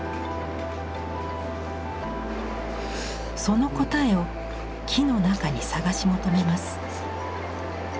その答えを木の中に探し求めます。